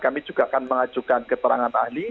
kami juga akan mengajukan keterangan ahli